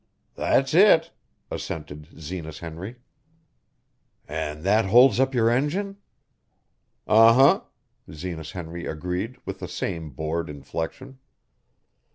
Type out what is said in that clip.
"That's it," assented Zenas Henry. "An' that holds up your engine." "Uh huh," Zenas Henry agreed with the same bored inflection.